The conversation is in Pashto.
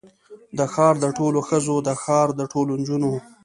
د ښار د ټولو ښځو، د ښار د ټولو نجونو